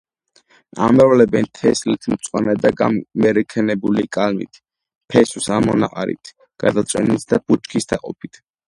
ამრავლებენ თესლით, მწვანე და გამერქნებული კალმით, ფესვის ამონაყარით, გადაწვენით და ბუჩქის დაყოფით.